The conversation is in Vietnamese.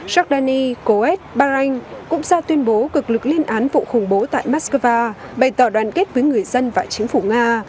giordani kuwait bahrain cũng ra tuyên bố cực lực liên án vụ khủng bố tại moscow bày tỏ đoàn kết với người dân và chính phủ nga